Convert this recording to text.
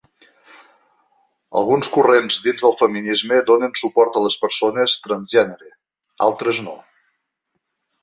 Alguns corrents dins del feminisme donen suport a les persones transgènere, altres no.